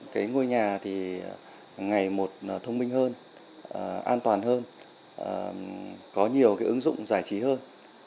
cái ngôi nhà thì ngày một thông minh hơn an toàn hơn có nhiều cái ứng dụng giải trí hơn